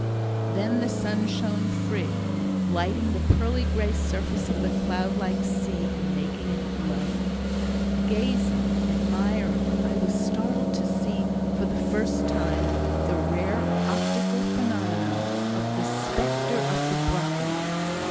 Then the sun shone free, lighting the pearly gray surface of the cloud like sea and making it glow. Gazing, admiring, I was startled to see for the first time the rare optical phenomenon of the "Specter of the Brocken."